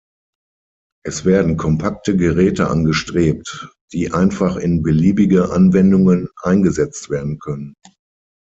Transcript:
Es werden kompakte Geräte angestrebt, die einfach in beliebige Anwendungen eingesetzt werden können.